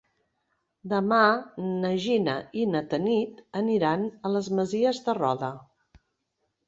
Demà na Gina i na Tanit aniran a les Masies de Roda.